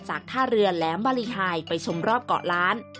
ท่าเรือแหลมบารีไฮไปชมรอบเกาะล้าน